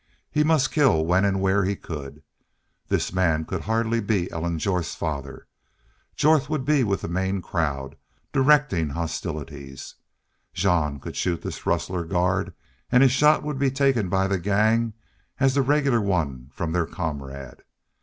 He must kill when and where he could. This man could hardly be Ellen Jorth's father. Jorth would be with the main crowd, directing hostilities. Jean could shoot this rustler guard and his shot would be taken by the gang as the regular one from their comrade.